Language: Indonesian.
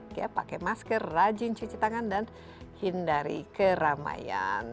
oke pakai masker rajin cuci tangan dan hindari keramaian